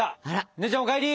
姉ちゃんお帰り！